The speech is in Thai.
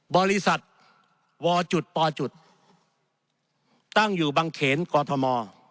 บริษัทวตตั้งอยู่บังเขนกอทม